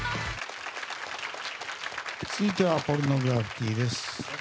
続いてはポルノグラフィティです。